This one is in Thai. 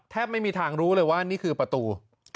ไม่มีทางรู้เลยว่านี่คือประตู